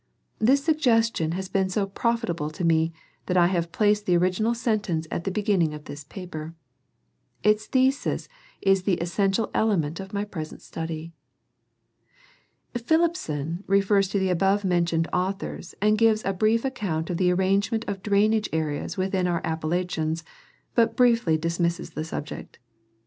This suggestion has been so profitable to me that I have placed the original sentence at the beginning of this paper. Its thesis is the essential element of my present study. Phillipson refers to the above mentioned authors and gives a brief account of the arrangement of drainage areas within our Appalachians, but briefly dismisses the subject.